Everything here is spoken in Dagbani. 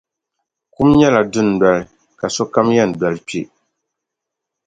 Kum nyɛla dunoli ka sokam yɛn doli kpe.